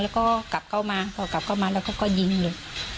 แล้วก็กลับเข้ามาพอกลับเข้ามาแล้วเขาก็ยิงเลย